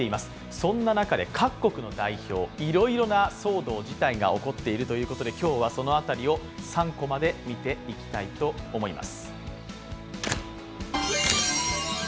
そんな中で各国の代表いろいろな騒動、事態が起こっているということで今日はそのあたりを３コマで見ていきたいと思います。